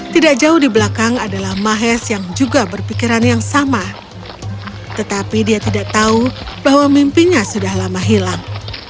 tidak jauh di belakang adalah mahes yang juga berpikiran yang sama tetapi dia tidak tahu bahwa mimpinya sudah lama hilang